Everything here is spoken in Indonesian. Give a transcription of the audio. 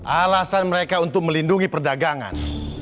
alasan mereka untuk melindungi perdagangan